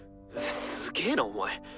すげなお前。